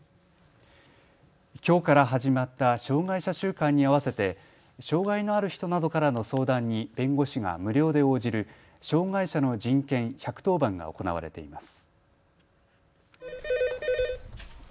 きょうから始まった障害者週間に合わせて障害のある人などからの相談に弁護士が無料で応じる障害者の人権１１０番が行われています。